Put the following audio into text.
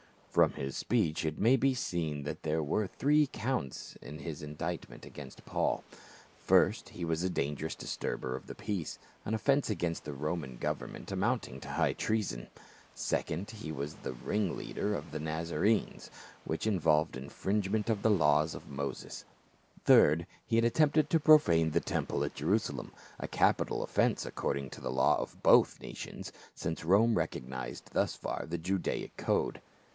From this speech it may be seen that there were three counts in the indictment against Paul : first, he was a dangerous disturber of the peace, an offence against the Roman government amounting to high treason ; second, he was a ringleader of the Naza renes, which involved infringement of the laws of Moses ; third, he had attempted to profane the tem ple at Jerusalem, a capital offence according to the law of both nations, since Rome recognized thus far the Judaic code.